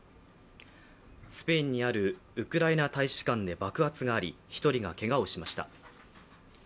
スペインにあるウクライナ大使館で爆発があり、１人がけがをしました。